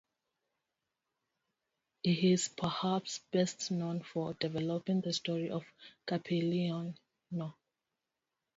He is perhaps best known for developing the story of Cipollino.